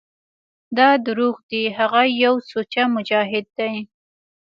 دا دروغ دي هغه يو سوچه مجاهد دى.